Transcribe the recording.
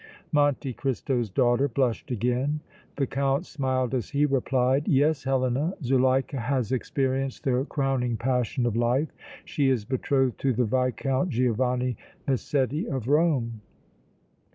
Monte Cristo's daughter blushed again. The Count smiled as he replied: "Yes, Helena, Zuleika has experienced the crowning passion of life. She is betrothed to the Viscount Giovanni Massetti of Rome."